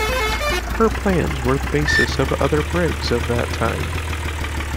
Her plans were the basis of other brigs of that time.